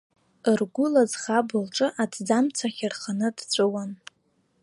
Ргәыла ӡӷаб лҿы аҭӡамцахь ирханы дҵәыуон.